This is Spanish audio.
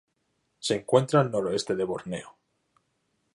Se encuentra al noreste de Borneo.